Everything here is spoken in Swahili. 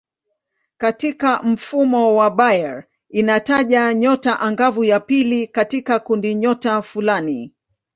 Katika mfumo wa Bayer inataja nyota angavu ya pili katika kundinyota fulani.